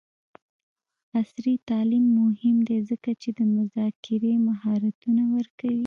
عصري تعلیم مهم دی ځکه چې د مذاکرې مهارتونه ورکوي.